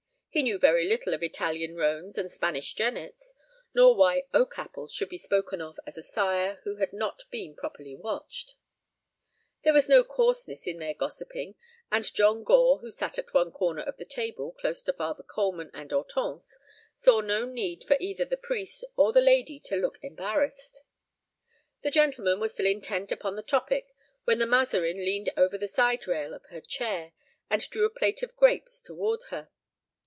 He knew very little of Italian roans and Spanish jennets, nor why "Oak Apple" should be spoken of as a sire who had not been properly watched. There was no coarseness in their gossiping, and John Gore, who sat at one corner of the table close to Father Coleman and Hortense, saw no need for either the priest or the lady to look embarrassed. The gentlemen were still intent upon the topic when the Mazarin leaned over the side rail of her chair and drew a plate of grapes toward her.